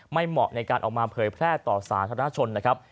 ไม่เหมาะในการเอามาเพื่อแพร่ต่อสารธนทชนนะครับ